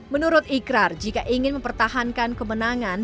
menurut ikrar jika ingin mempertahankan kemenangan di pemilu dua ribu dua puluh empat nanti